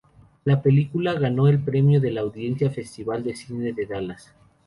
La película ganó el Premio de la Audiencia Festival de cine de Dallas.